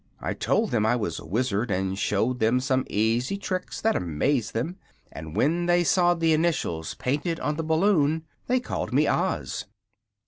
I told them I was a Wizard, and showed them some easy tricks that amazed them; and when they saw the initials painted on the balloon they called me Oz."